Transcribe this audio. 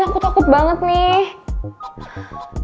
aku takut banget nih